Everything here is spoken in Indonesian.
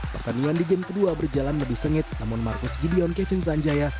pertandingan di game kedua berjalan lebih sengit namun marcus gideon kevin sanjaya